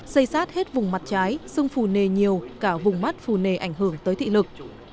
xây sát hết vùng mặt trái xương phù nề nhiều cả vùng mắt phù nề ảnh hưởng tới thị lực